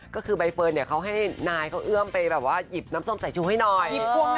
ก็คือใบเฟิร์นเนี่ยเขาให้นายเขาเอื้อมไปแบบว่าหยิบน้ำส้มใส่ชูให้หน่อย